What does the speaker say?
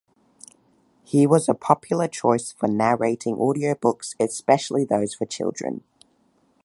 He was a popular choice for narrating audio books, especially those for children.